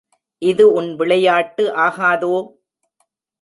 இது உன் விளையாட்டு ஆகாதோ?